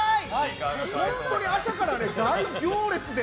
本当に朝から大行列で